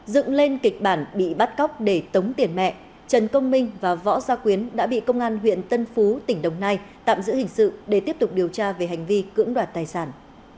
dựng lên kịch bản bị bắt cóc để tống tiền mẹ trần công minh và võ gia quyến đã bị công an huyện tân phú tỉnh đồng nai tạm giữ hình sự để tiếp tục điều tra về hành vi cưỡng đoạt tài sản